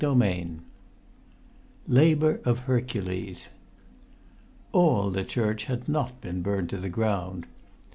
[Pg 115] XI LABOUR OF HERCULES All the church had not been burnt to the ground.